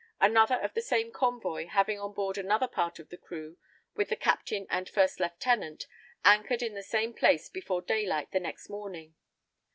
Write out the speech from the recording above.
Another of the same convoy, having on board another part of the crew, with the captain and first lieutenant, anchored in the same place before day light the next morning.